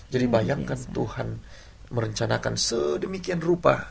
jadi bayangkan tuhan merencanakan sedemikian rupa